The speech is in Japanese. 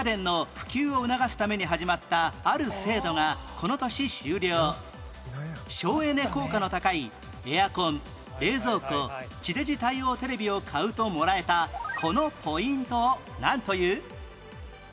１０年前省エネ効果の高いエアコン冷蔵庫地デジ対応テレビを買うともらえたこのポイントをなんという？